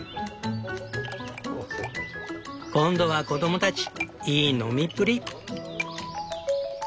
今度は子どもたちいい飲みっぷり。